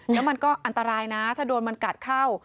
แล้วมันก็อันตรายนะถ้าโดนมันกัดเข้า